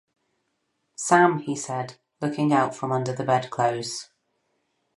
‘Sam,’ he said, looking out from under the bedclothes.